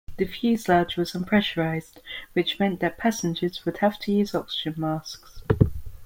The fuselage was unpressurized, which meant that passengers would have to use oxygen masks.